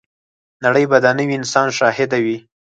نړۍ به د نوي انسان شاهده وي.